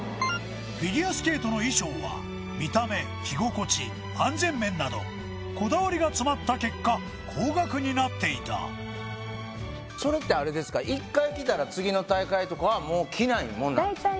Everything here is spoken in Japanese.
フィギュアスケートの衣装は見た目着心地安全面などこだわりが詰まった結果高額になっていたそれってあれですか１年１シーズン